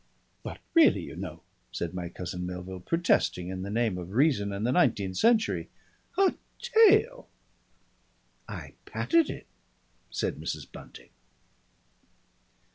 "But really, you know," said my cousin Melville, protesting in the name of reason and the nineteenth century "a tail!" "I patted it," said Mrs. Bunting.